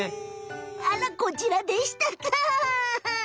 あらこちらでしたか！